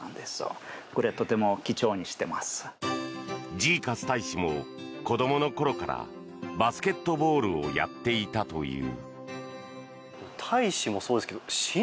ジーカス大使も子どもの頃からバスケットボールをやっていたという。